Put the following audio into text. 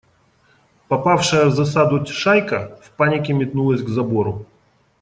Попавшая в засаду шайка в панике метнулась к забору.